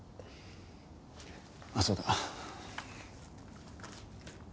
あっそうだ。